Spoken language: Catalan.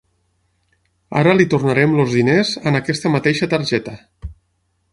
Ara li tornarem els diners a aquesta mateixa targeta.